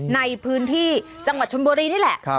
ในพื้นที่จังหวัดชนบุรีนี่แหละ